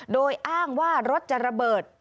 โดยอ้างว่ารถจะระเบิด